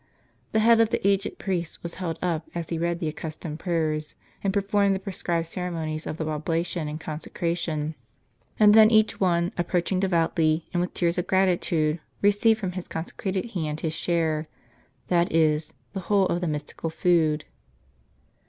The head of the aged priest was held up as he read the accustomed prayers, and per formed the prescribed ceremonies of the oblation and conse cration. And then each one, approaching devoutly, and with tears of gratitude, received from his consecrated hand his share, — that is, the whole of the Mystical Food.